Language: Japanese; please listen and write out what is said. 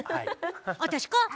私か？